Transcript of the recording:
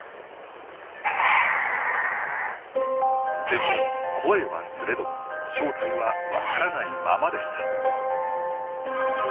でも声はすれども正体はわからないままでした。